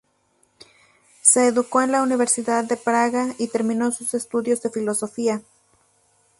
Se educó en la Universidad de Praga y terminó sus estudios de filosofía.